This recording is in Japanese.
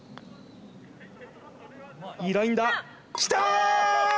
いいラインだきたー！